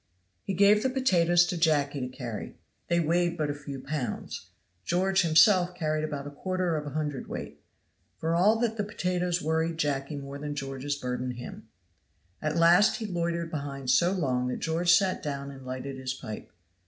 He gave the potatoes to Jacky to carry. They weighed but a few pounds. George himself carried about a quarter of a hundredweight. For all that the potatoes worried Jacky more than George's burden him. At last he loitered behind so long that George sat down and lighted his pipe.